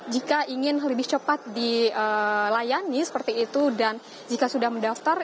jika ingin lebih cepat dilayani seperti itu dan jika sudah mendaftar